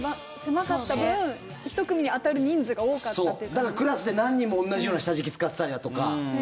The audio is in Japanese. だから、クラスで何人も同じような下敷き使ってたりだとか。